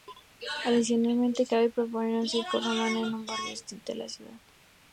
Adicionalmente, cabe suponer un circo romano en un barrio distinto de la ciudad.